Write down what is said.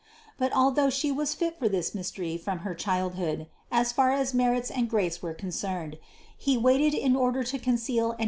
But although She was fit for this mystery from her childhood, as far as merits and grace were con cerned, He waited in order to conceal and.